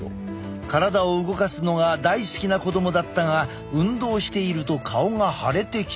体を動かすのが大好きな子どもだったが運動していると顔が腫れてきた。